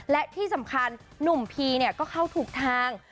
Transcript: และที่สำคัญหนุ่มพีก็เข้าถูกทาง